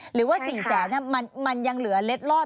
หรือว่า๔แสนมันยังเหลือเล็ดลอด